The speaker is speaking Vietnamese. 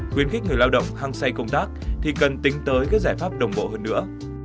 khuyến khích người lao động hăng say công tác thì cần tính tới các giải pháp đồng bộ hơn nữa